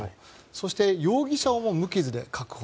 そして容疑者をも無傷で確保。